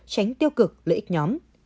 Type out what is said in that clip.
tránh tiêu cực lợi ích nhóm